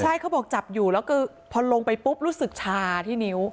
ใช่เขาบอกจับอยู่แล้วคือพอลงไปปุ๊บรู้สึกชาที่นิ้ว